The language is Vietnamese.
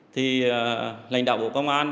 thì lãnh đạo bộ công an